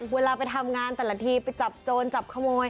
เวลาไปทำงานแต่ละทีไปจับโจรจับขโมย